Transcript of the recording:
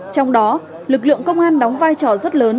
trong đó lực lượng công an đóng vai trò rất lớn